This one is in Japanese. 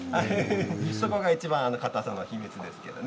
そこが、かたさの秘密ですけどね。